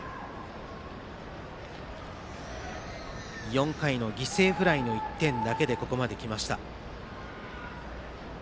４回の犠牲フライの１点だけでここまできました。